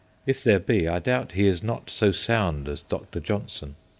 If there be, I doubt he is not so sound as Dr. Johnson.